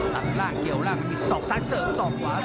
ดับล่างเกี่ยวล่างดับีสอบซ้ายเสริมสอบขวา